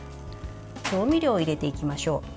調味料を入れていきましょう。